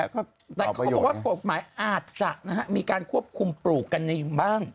แต่เขาก็บอกว่ากฎหมายอาจจะมีการควบคุมปลูกกันในบ้าน